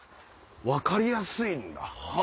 分かりやすいんだ。